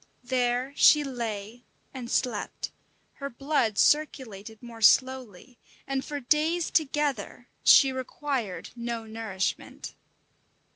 There she lay and slept, her blood circulated more slowly, and for days together she required no nourishment.